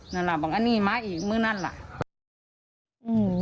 นั่นแหละบอกว่านี่ม้าอีกเมื่อนั้นแหละ